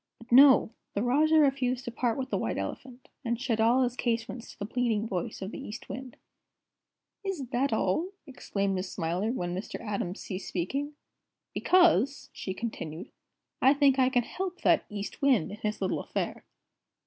But no! The Rajah refused to part with the White Elephant, and shut all his casements to the pleading voice of the East Wind." "Is that all?" exclaimed Miss Smiler, when Mr. Atom ceased speaking. "Because," she continued, "I think I can help that East Wind in his little affair."